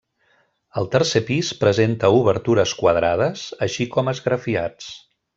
El tercer pis presenta obertures quadrades, així com esgrafiats.